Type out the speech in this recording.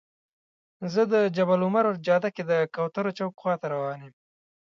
زه د جبل العمر جاده کې د کوترو چوک خواته روان یم.